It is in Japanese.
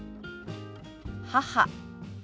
「母」。